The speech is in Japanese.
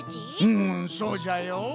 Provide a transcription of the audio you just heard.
うんそうじゃよ。